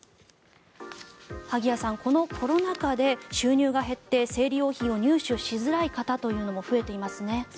萩谷さん、このコロナ禍で収入が減って生理用品を入手しづらい方というのが増えていますね。